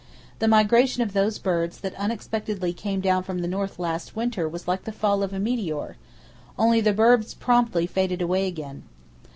The migration of those birds that unexpectedly came down from the north last winter was like the fall of a meteor,—only the birds promptly faded away again.